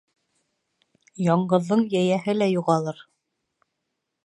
Яңғыҙҙың йәйәһе лә юғалыр